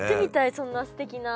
そんなすてきな。